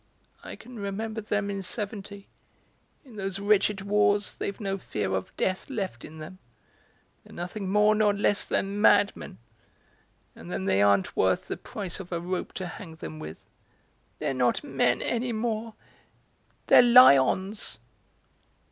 I can remember them in '70; in those wretched wars they've no fear of death left in them; they're nothing more nor less than madmen; and then they aren't worth the price of a rope to hang them with; they're not men any more, they're lions."